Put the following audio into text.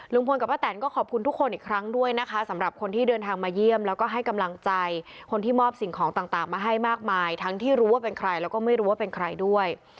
กับป้าแตนก็ขอบคุณทุกคนอีกครั้งด้วยนะคะสำหรับคนที่เดินทางมาเยี่ยมแล้วก็ให้กำลังใจคนที่มอบสิ่งของต่างมาให้มากมายทั้งที่รู้ว่าเป็นใครแล้วก็ไม่รู้ว่าเป็นใครด้วย